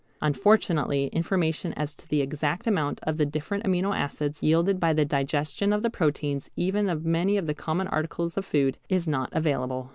Unfortunately information as to the exact amount of the different amino acids yielded by the digestion of the proteins even of many of the common articles of food is not available.